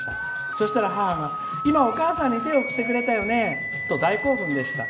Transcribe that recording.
そしたら、母がお母さんに手を振ってくれたよねと大興奮でした。